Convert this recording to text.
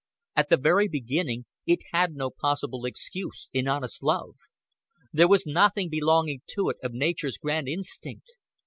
At the very beginning it had no possible excuse in honest love. There was nothing belonging to it of nature's grand instinct.